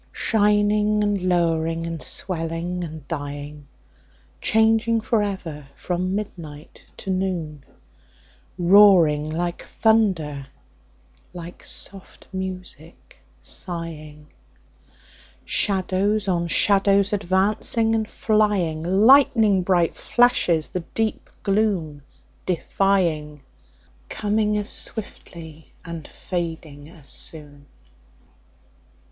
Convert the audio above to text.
Shining and lowering and swelling and dying, Changing forever from midnight to noon; Roaring like thunder, like soft music sighing, Shadows on shadows advancing and flying, Lighning bright flashes the deep gloom defying, Coming as swiftly and fading as soon.